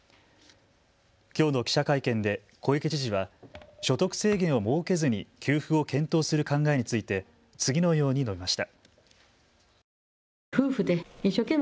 きょうの記者会見で小池知事は所得制限を設けずに給付を検討する考えについて次のように述べました。